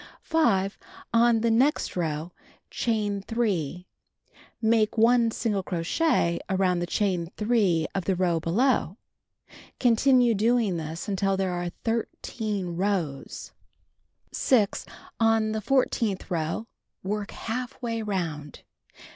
5. On the next row, chain 3, make 1 single crochet around the chain 3 of the row below. Continue doing this until there are 13 rows. 6. On the fourteenth row, work half way around.